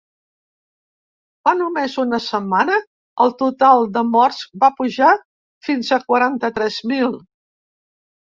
Fa només una setmana el total de morts va pujar fins a quaranta-tres mil.